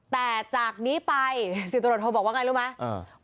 แต่จากนี้ไปสิทธิ์ตำรวจโทษธิ์บอกว่าไงรู้ไหม